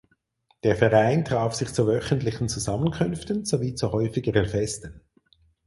Der Verein traf sich zu wöchentlichen Zusammenkünften sowie zu häufigeren Festen.